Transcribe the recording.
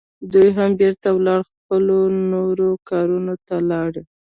دوی هم بیرته ولاړې، خپلو نورو کارونو ته لاړې.